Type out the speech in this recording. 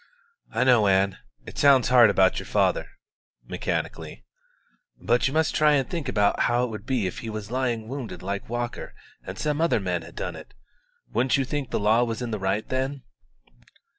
"I know, Ann, it sounds hard about your father" (mechanically); "but you must try and think how it would be if he was lying wounded like Walker and some other man had done it. Wouldn't you think the law was in the right then?"